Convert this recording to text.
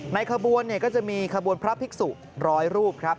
ในขบวนก็จะมีขบวนพระภิกษุร้อยรูปครับ